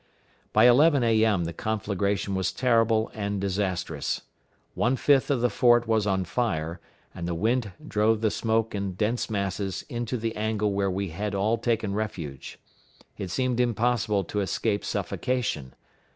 By 11 A.M. the conflagration was terrible and disastrous. One fifth of the fort was on fire, and the wind drove the smoke in dense masses into the angle where we had all taken refuge. It seemed impossible to escape suffocation.